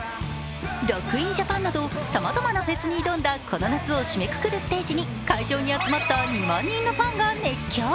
ＲＯＣＫＩＮＪＡＰＡＮなどさまざまなフェスに挑んだこの夏を締めくくるステージに、会場に集まった２万人のファンが熱狂。